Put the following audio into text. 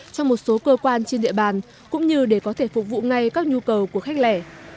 trong một số cơ quan trên địa bàn cũng như để có thể phục vụ ngay các nhu cầu của khách lẻ